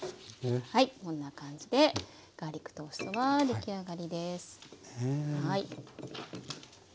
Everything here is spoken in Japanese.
はいこんな感じでガーリックトーストは出来上がりです。